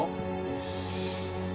よし。